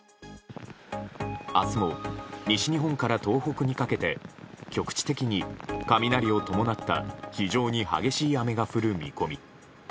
明日も西日本から東北にかけて局地的に雷を伴った非常に激しい雨が降る見込み。